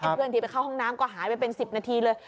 เพื่อนที่ไปเข้าห้องน้ำก็หายไปเป็น๑๐นาทีเลย